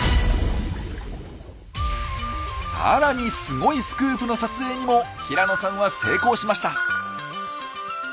さらにすごいスクープの撮影にも平野さんは成功しました。